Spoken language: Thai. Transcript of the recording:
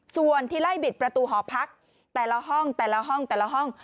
ส่วนที่ไล่บิดประตูหอพักแต่ละห้อง